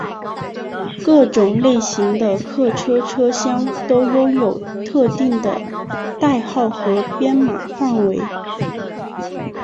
各种类型的客车车厢都拥有特定的代号和编码范围。